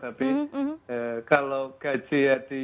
tapi kalau gaji dioperasional